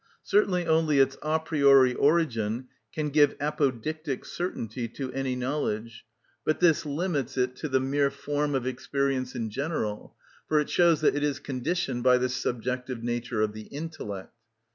Certainly only its a priori origin can give apodictic certainty to any knowledge; but this limits it to the mere form of experience in general, for it shows that it is conditioned by the subjective nature of the intellect.